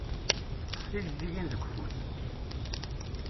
Teṭṭef tijeǧǧigin deg ufus.